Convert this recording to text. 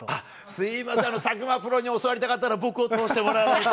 すみません、佐久間プロに教わりたかったら、僕を通してもらわないと。